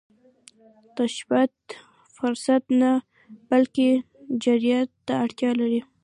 تشبث فرصت نه، بلکې جرئت ته اړتیا لري